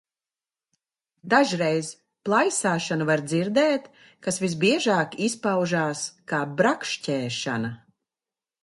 Dažreiz plaisāšanu var dzirdēt, kas visbiežāk izpaužās kā brakšķēšana.